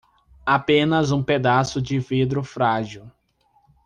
Apenas um pedaço de vidro frágil